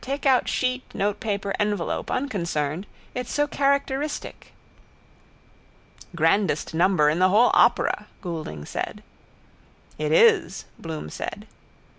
Take out sheet notepaper, envelope: unconcerned. It's so characteristic. —Grandest number in the whole opera, Goulding said. —It is, Bloom said.